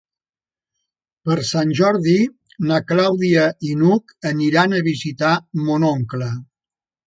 Per Sant Jordi na Clàudia i n'Hug aniran a visitar mon oncle.